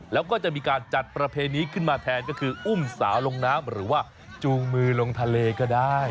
แล้วก็จะมีการจัดประเพณีขึ้นมาแทนก็คืออุ้มสาวลงน้ำหรือว่าจูงมือลงทะเลก็ได้